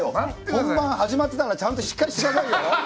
本番、始まったらしっかりしてくださいよ。